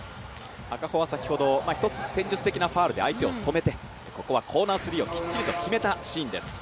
赤穂は先ほど、ひとつ戦術的なファウルで相手を止めてここはコーナースリーをきっちりと決めたシーンです。